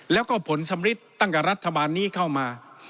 แล้วก็ผลสำริดตั้งแต่รัฐบาลนี้เข้ามา